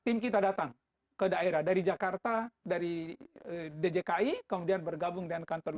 tim kita datang ke daerah dari jakarta dari djki kemudian bergabung dengan kantor